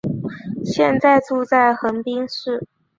现在住在横滨市。